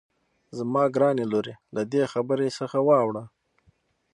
زما ګرانې لورې له دې خبرې څخه واوړه.